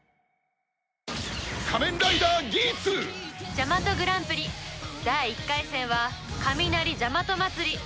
ジャマトグランプリ第１回戦はかみなりジャマト祭り。